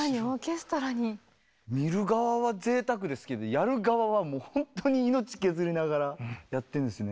見る側はぜいたくですけどやる側はもう本当に命削りながらやってんですね。